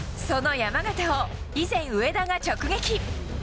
その山縣を以前、上田が直撃。